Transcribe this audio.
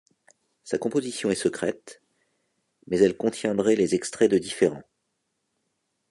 Sa composition est secrète, mais elle contiendrait les extraits de différents.